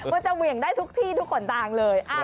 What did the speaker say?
มันจะเหวี่ยงได้ทุกที่ทุกขนทางเลย